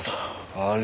あれ？